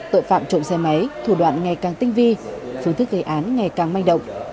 tội phạm trộm xe máy thủ đoạn ngày càng tinh vi phương thức gây án ngày càng manh động